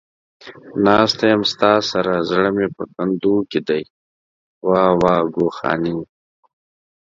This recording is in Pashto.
ناسته يمه ستا سره ، زړه مې په کندو کې دى ، واوا گوخانې.